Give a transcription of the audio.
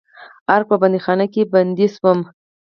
ارګ په بندیخانه کې بندي شوم.